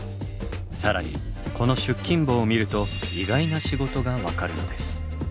更にこの出勤簿を見ると意外な仕事が分かるのです。